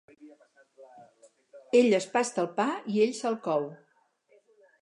Ell es pasta el pa i ell se'l cou.